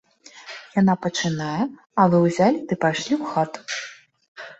Яна пачынае, а вы ўзялі ды пайшлі ў хату!